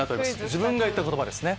自分が言った言葉ですね。